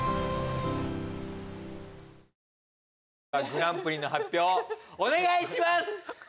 グランプリの発表をお願いします！